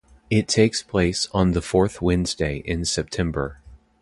It takes place on the fourth Wednesday in September.